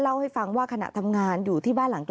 เล่าให้ฟังว่าขณะทำงานอยู่ที่บ้านหลังกลาง